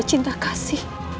rasa cinta kasih